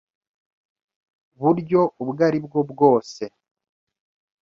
buryo ubwo ari bwo bwose.